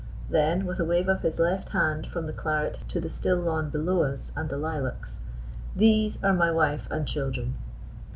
Then, with a wave of his left hand from the claret to the still lawn below us and the lilacs, "These are my wife and children!"